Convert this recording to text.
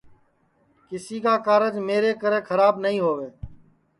کہ کیسی کا کارج میری کرے کھراب نائی ہؤے